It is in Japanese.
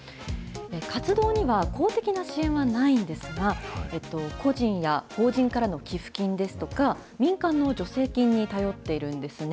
活動には公的な支援はないんですが、個人や法人からの寄付金ですとか、民間の助成金に頼っているんですね。